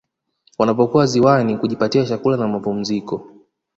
Wanapokuwa ziwani kujipatia chakula na mapumziko